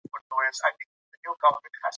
د ورزش کمښت انرژي کموي.